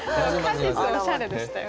「果実」おしゃれでしたよ。